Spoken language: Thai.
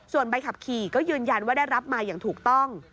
ส่วนใบขับขี่ก็ยืนยันว่าได้รับมาอย่างถูกต้อง